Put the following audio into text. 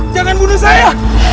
jangan bunuh saya